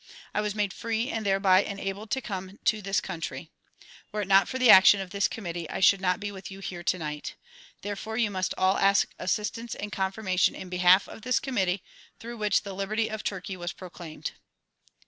I was made free and thereby enabled to come to this countiy. Were it not for the action of this Committee I should not be with you here tonight. Therefore you must all ask assistance and con firmation in behalf of this Committee through which the liberty of Turkey was proclaimed.